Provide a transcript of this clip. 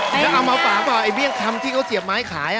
แล้วเอามาปากก่อนไอ้เมียงคำที่เขาเสียบไม้ขาย